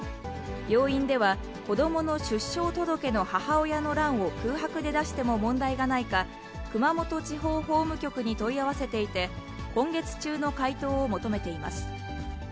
病院では、子どもの出生届の母親の欄を空白で出しても問題がないか、熊本地方法務局に問い合わせていて、今月中の回答を求めています。